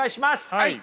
はい！